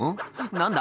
何だ？